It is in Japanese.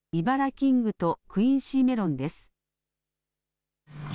キングとクインシーメロンです。